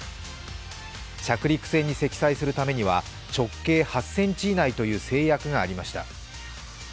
着陸船に積載するためには直径８ｃｍ以内という制約がありました。